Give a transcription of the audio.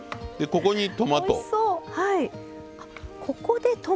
ここにトマト。